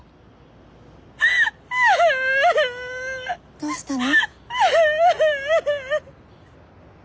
どうしたの？